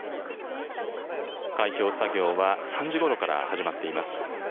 開票作業は３時ごろから始まっています。